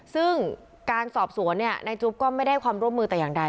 ซึ่งการสอบสวนนายจุ๊บก็ไม่ได้ความร่วมมือแต่อย่างใด